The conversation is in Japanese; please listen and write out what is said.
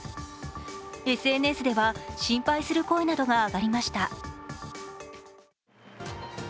ＳＮＳでは心配する声などが上がりました。